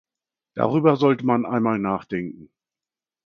Darüber sollte man einmal nachdenken!